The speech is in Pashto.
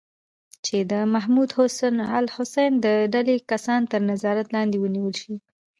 چې د محمود الحسن د ډلې کسان تر نظارت لاندې ونیول شي.